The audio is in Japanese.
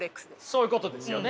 そういうことですよね。